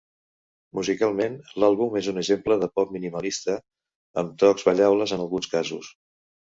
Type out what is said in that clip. Musicalment l'àlbum és un exemple de pop minimalista, amb tocs ballables en alguns casos.